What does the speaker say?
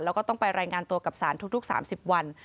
แล้วก็ต้องไปรายงานตัวกับสารทุก๓๐วัน